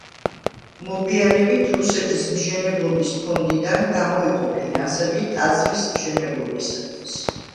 მოგვიანებით რუსეთის მშენებლობის ფონდიდან გამოიყო ფინანსები ტაძრის მშენებლობისათვის.